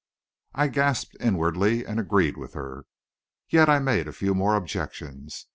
I gasped inwardly, and agreed with her. Yet I made a few more objections.